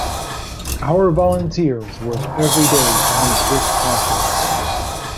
Our volunteers work every day to make this possible.